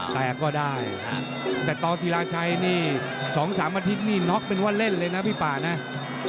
แตกก็ได้แต่ต่อศิราชัยนี่๒๓อาทิตย์นี่น็อกเป็นว่าเล่นเลยนะพี่ป่านะ